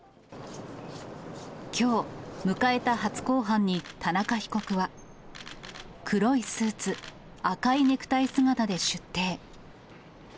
きょう、迎えた初公判に、田中被告は、黒いスーツ、赤いネクタイ姿で出廷。